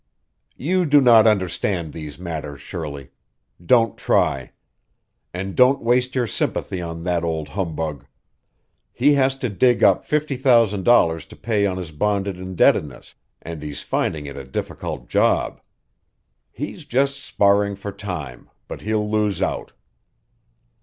"You do not understand these matters, Shirley. Don't try. And don't waste your sympathy on that old humbug. He has to dig up fifty thousand dollars to pay on his bonded indebtedness, and he's finding it a difficult job. He's just sparring for time, but he'll lose out."